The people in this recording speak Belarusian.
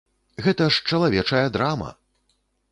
Гэта ж чалавечая драма!